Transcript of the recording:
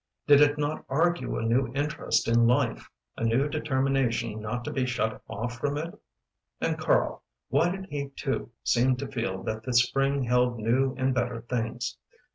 Did it not argue a new interest in life a new determination not to be shut off from it? And Karl why did he too seem to feel that the spring held new and better things?